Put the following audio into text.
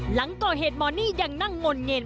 หลังก่อเหตุหมอนี่ยังนั่งงนเงยน